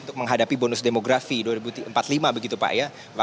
untuk menghadapi bonus demografi dua ribu empat puluh lima begitu pak ya